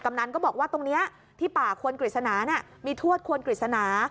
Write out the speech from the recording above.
นันก็บอกว่าตรงนี้ที่ป่าควรกฤษณามีทวดควรกฤษณา